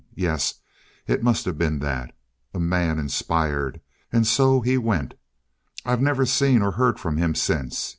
Yes, it must have been that. A man inspired. And so he went. I've never seen or heard from him since.